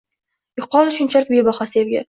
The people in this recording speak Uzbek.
Yo’qoldi shunchalik bebaho sevgi.